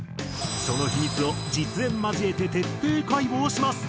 その秘密を実演交えて徹底解剖します！